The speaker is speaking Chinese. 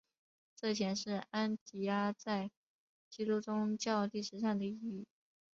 这显示安提阿在基督宗教历史上的意义。